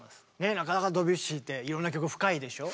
なかなかドビュッシーっていろんな曲深いでしょう。